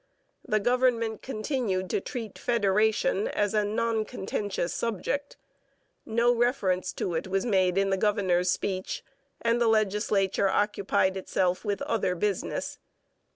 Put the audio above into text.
The government continued to treat federation as a non contentious subject. No reference to it was made in the governor's speech, and the legislature occupied itself with other business.